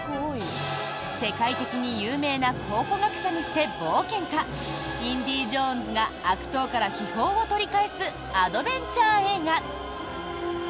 世界的に有名な考古学者にして冒険家インディ・ジョーンズが悪党から秘宝を取り返すアドベンチャー映画。